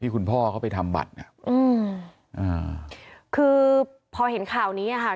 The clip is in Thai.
คุณพ่อเขาไปทำบัตรอ่ะอืมอ่าคือพอเห็นข่าวนี้อ่ะค่ะ